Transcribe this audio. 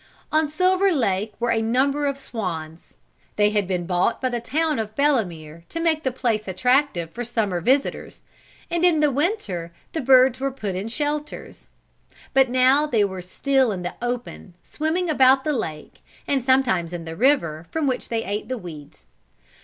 On Silver Lake were a number of swans. They had been bought by the town of Belemere to make the place attractive for summer visitors, and in winter the birds were put in shelters. But now they were still in the open, swimming about the lake, and sometimes in the river, from which they ate the weeds.